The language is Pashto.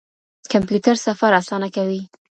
کمپيوټر سفر آسانه کوي.